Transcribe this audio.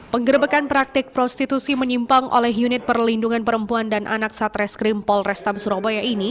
pengerebekan praktik prostitusi menyimpang oleh unit perlindungan perempuan dan anak satra skrimpol restable surabaya ini